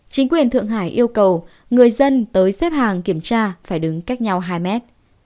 chính quyền thượng hải yêu cầu người dân tới xếp hàng kiểm tra phải đứng cách nhau hai mét